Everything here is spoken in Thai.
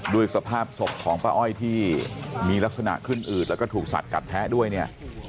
ด้วยสภาพศพของป่าอ้อยที่มีลักษณะขึ้นอืดและก็ถูกสัตว์กัดแพ้ด้วยนี่